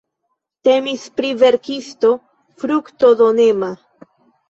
Temis pri verkisto fruktodonega.